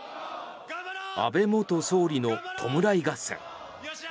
安倍元総理の弔い合戦。